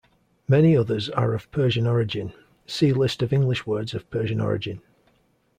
Many others are of Persian origin; see List of English words of Persian origin.